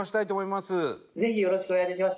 「ぜひよろしくお願いいたします」